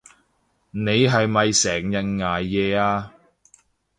你係咪成日捱夜啊？